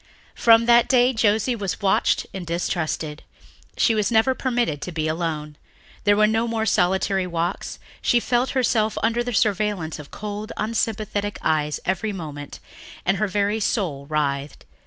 From that day Josie was watched and distrusted. She was never permitted to be alone. There were no more solitary walks. She felt herself under the surveillance of cold, unsympathetic eyes every moment and her very soul writhed.